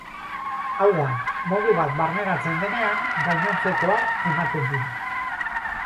Hau da, modu bat barneratzen denean, gainontzekoak ematen dira.